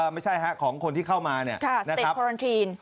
ไม่ใช่ฮะของคนที่เข้ามาเนี่ย